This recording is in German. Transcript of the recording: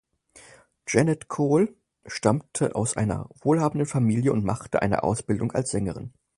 Jeanette Cole stammte aus einer wohlhabenden Familie und machte eine Ausbildung als Sängerin.